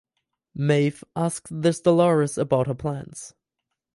Maeve asks this Dolores about her plans.